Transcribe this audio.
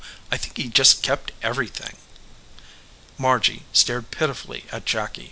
I think he just kept everything." Margy stared pitifully at Jacky.